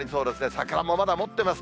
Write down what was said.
桜もまだもってます。